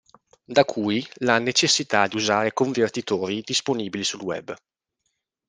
Da cui la necessità di usare convertitori disponibili sul web.